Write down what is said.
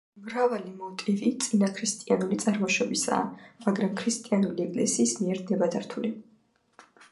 მრავალი მოტივი წინაქრისტიანული წარმოშობისაა, მაგრამ ქრისტიანული ეკლესიის მიერ ნებადართული.